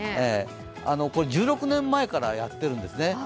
これ１６年前からやってるんですね。